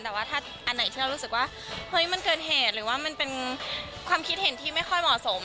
แต่ว่าถ้าอันไหนที่เรารู้สึกว่าเฮ้ยมันเกินเหตุหรือว่ามันเป็นความคิดเห็นที่ไม่ค่อยเหมาะสม